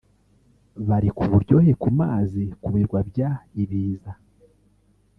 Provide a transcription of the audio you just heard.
bari ku buryohe ku mazi ku Birwa bya Ibiza